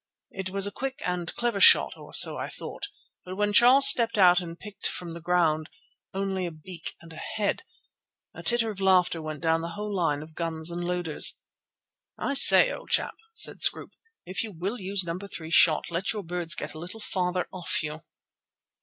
It was a quick and clever shot, or so I thought. But when Charles stepped out and picked from the ground only a beak and a head, a titter of laughter went down the whole line of guns and loaders. "I say, old chap," said Scroope, "if you will use No. 3 shot, let your birds get a little farther off you."